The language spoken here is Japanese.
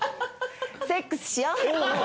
セックスしよ！